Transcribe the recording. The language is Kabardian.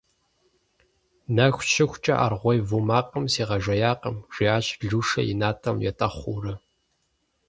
- Нэху щыхункӏэ аргъуей ву макъым сигъэжеякъым, - жиӏащ Лушэ и натӏэм етӏэхъуурэ.